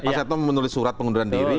pak setnoff menulis surat pengunduran diri